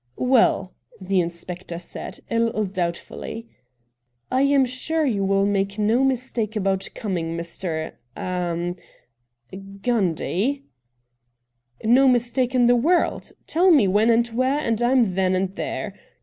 ' Well,' the inspector said, a Httle doubt fully, ' I am sure you will make no mistake about coming, Mr. — ah — ah — Gundy.' ' No mistake in the world. Tell me when and where, and I'm then and there.